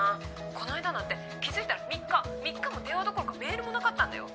この間なんて気づいたら３日３日も電話どころかメールもなかったんだよ